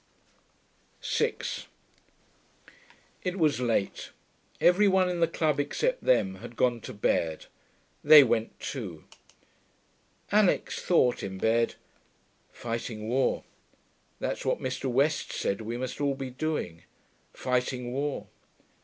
6 It was late. Every one in the club except them had gone to bed. They went too. Alix thought, in bed, 'Fighting war. That's what Mr. West said we must all be doing. Fighting war.